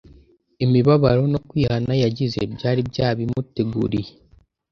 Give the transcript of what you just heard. imibabaro no kwihana yagize byari byabimuteguriye.